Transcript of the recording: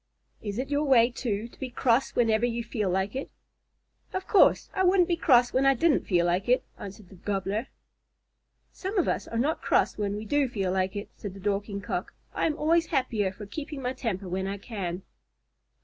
"Is it your way, too, to be cross whenever you feel like it?" "Of course. I wouldn't be cross when I didn't feel like it," answered the Gobbler. "Some of us are not cross when we do feel like it," said the Dorking Cock. "I am always happier for keeping my temper when I can."